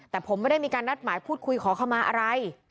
แต่ผมไม่ได้มีการนัดหมายพูดคุยขอขมาอะไร